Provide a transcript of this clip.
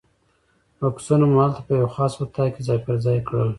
بکسونه مو هلته په یوه خاص اتاق کې ځای پر ځای کړل.